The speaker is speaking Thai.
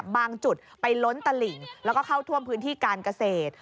จุดไปล้นตลิ่งแล้วก็เข้าท่วมพื้นที่การเกษตร